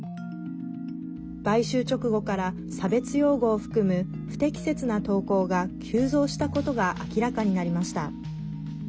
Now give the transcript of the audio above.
買収直後から差別用語を含む不適切な投稿が急増したことが明らかになりました。